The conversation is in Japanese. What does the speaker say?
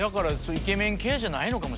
イケメン系じゃないかも。